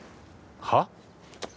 はっ！？